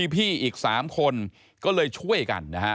พี่อีก๓คนก็เลยช่วยกันนะฮะ